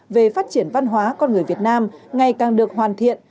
về phát triển văn hóa con người việt nam ngày càng được hoàn thiện